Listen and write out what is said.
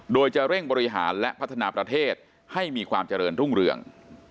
โดยจะเร่งบริหารและพัฒนาประเทศให้มีความเจริญรุ่งเรือง